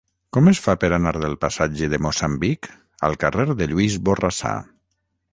Com es fa per anar del passatge de Moçambic al carrer de Lluís Borrassà?